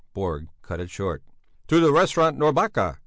Borg cut it short. "To the Restaurant Norrbacka!"